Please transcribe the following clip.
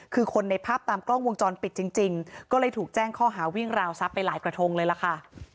คือคนในภาพตามกล้องวงจรปิดจริงก็เลยถูกแจ้งข้อหาวิ่งราวทรัพย์ไปหลายกระทงเลยล่ะค่ะ